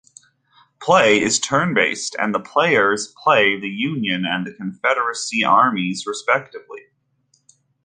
Play is turnbased, and the players play the Union and Confederacy armies respectively.